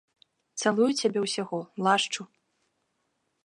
Цалую цябе ўсяго, лашчу.